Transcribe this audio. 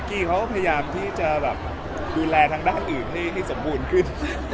กี้เขาก็พยายามที่จะแบบดูแลทางด้านอื่นให้สมบูรณ์ขึ้น